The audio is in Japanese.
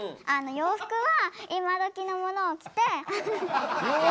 洋服は今どきのものを着て？